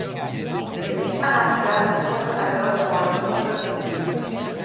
Les Haraktas rentrent alors dans leurs cantonnements.